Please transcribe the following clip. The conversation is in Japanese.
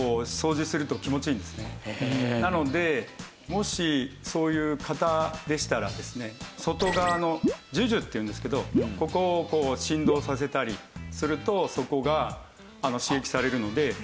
なのでもしそういう方でしたらですね外側の耳珠っていうんですけどここをこう振動させたりするとそこが刺激されるので。